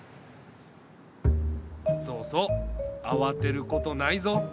そうそうあわてることないぞ。